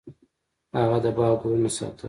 هغه د باغ ګلونه ساتل.